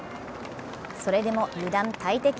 それでも油断大敵。